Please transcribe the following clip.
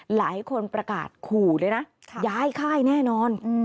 หลายคนประกาศขู่ด้วยนะย้ายค่ายแน่นอน